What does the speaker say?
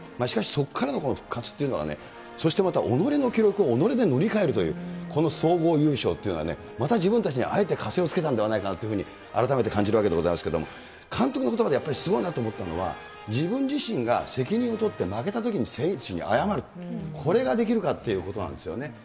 しかしそこからの復活というのがね、そしてまた己の記録を己で塗り替えるという、この総合優勝っていうのはね、また自分たちにあえて加勢をつけたんではないかなと改めて感じるわけですけれども、監督のことばでやっぱりすごいなと思ったのは、自分自身が責任を取って負けたときに選手に謝る、これができるかっていうことなんですよね。